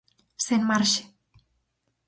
Sen marxe.